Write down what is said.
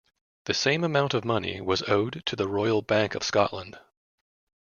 The same amount of money was owed to the Royal Bank of Scotland.